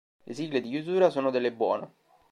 Le sigle di chiusura sono delle Buono!